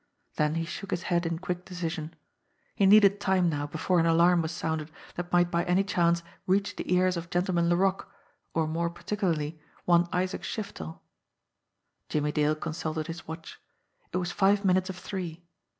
Then he shook his head in quick decision. He needed time now before an alarm was sounded that might by any chance reach the ears of Gentleman Laroque, or, more particularly, one Isaac Shiftel! Jimmie Dale consulted his watch. It was five minutes of three.